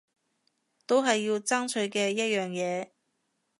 都係要爭取嘅一樣嘢